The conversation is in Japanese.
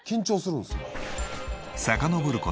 さかのぼる事